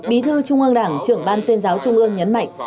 bí thư trung ương đảng trưởng ban tuyên giáo trung ương nhấn mạnh